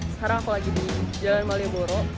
sekarang aku lagi di jalan malioboro